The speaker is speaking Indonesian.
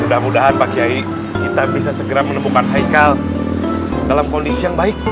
mudah mudahan pak kiai kita bisa segera menemukan haikal dalam kondisi yang baik